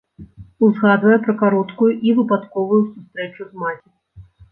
Узгадвае пра кароткую і выпадковую сустрэчу з маці.